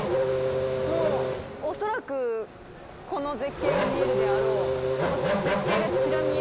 もうおそらくこの絶景が見えるであろう。